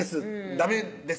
「ダメです」